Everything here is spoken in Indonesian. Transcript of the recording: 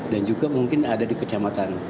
dan juga mungkin ada di kecamatan